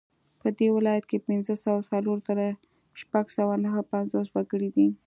په دې ولایت کې پنځه سوه څلور زره شپږ سوه نهه پنځوس وګړي دي